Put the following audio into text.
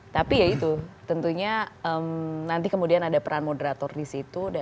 tapi ya itu tentunya nanti kemudian ada peran moderator di situ